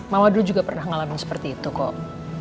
mama dulu juga pernah ngalamin seperti itu kok